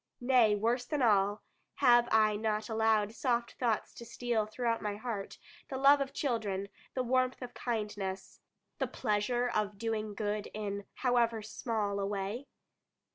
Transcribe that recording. Nay, worse than all have I not allowed soft thoughts to steal throughout my heart, the love of children, the warmth of kindness, the pleasure of doing good in however small a way?